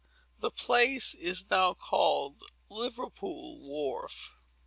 The place is now called Liverpool Wharf.